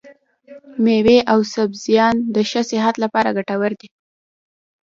مېوې او سبزيان د ښه صحت لپاره ګټور دي.